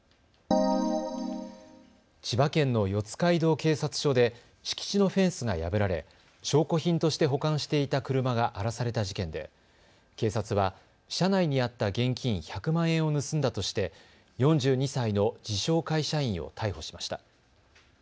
千葉県の四街道警察署で敷地のフェンスが破られ証拠品として保管していた車が荒らされた事件で警察は車内にあった現金１００万円を盗んだとして４２歳の自称、会社員を逮捕しました。